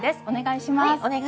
お願いします。